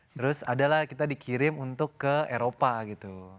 terus adalah kita dikirim untuk ke eropa gitu